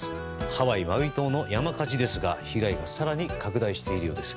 ハワイ・マウイ島の山火事ですが被害が更に拡大しているようです。